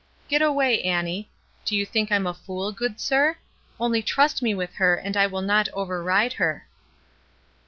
"Get away, Annie. Do you think I'm a fool, good sir? Only trust me with her, and I will not override her."